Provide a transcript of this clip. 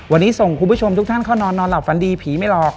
วันนี้ส่งคุณผู้ชมทุกท่านเข้านอนนอนหลับฝันดีผีไม่หลอก